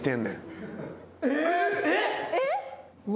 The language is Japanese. えっ！？